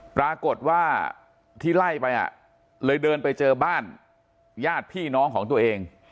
ปรากฏว่าที่ไล่ไปเลยเดินไปเจอบ้านญาติพี่น้องของตัวเอง